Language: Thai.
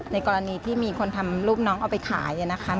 ในกรณีที่มีคนทำรูปน้องเอาไปขายนะคะ